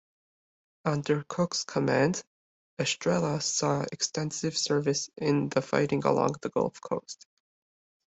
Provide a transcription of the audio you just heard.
Under Cooke's command, "Estrella" saw extensive service in the fighting along the Gulf Coast.